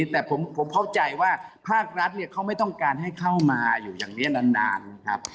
แต่ผมเข้าใจว่าภาครัฐเขาไม่ต้องการให้เข้ามาอยู่อย่างนี้นานครับ